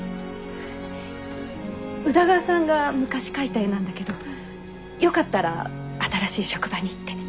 宇田川さんが昔描いた絵なんだけどよかったら新しい職場にって。